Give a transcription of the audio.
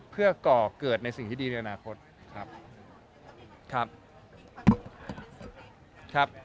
เพื่อก่อเกิดในสิ่งที่ดีในอนาคต